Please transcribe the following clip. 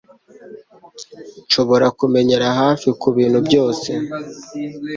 Nshobora kumenyera hafi kubintu byose